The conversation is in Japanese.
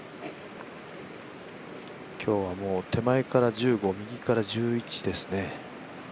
今日は手前から１５、右から１１ですね。